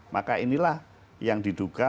maka inilah yang diduga